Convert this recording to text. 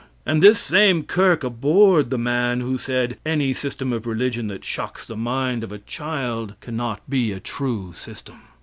And this same kirk abhorred the man who said, "Any system of religion that shocks the mind of a child can not be a true system."